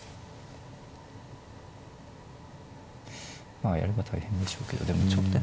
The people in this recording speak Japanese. まあやれば大変でしょうけどでもちょっとやっぱ桂が。